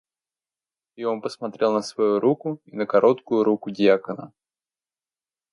И он посмотрел на свою руку и на короткую руку дьякона.